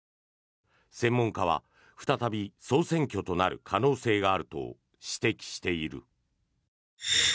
専門家は再び総選挙となる可能性があると指摘している。